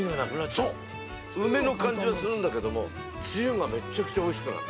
梅の感じはするんだけども、つゆが、めっちゃくちゃおいしくなるの。